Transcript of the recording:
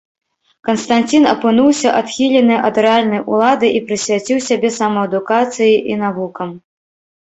Канстанцін апынуўся адхілены ад рэальнай улады і прысвяціў сябе самаадукацыі і навукам.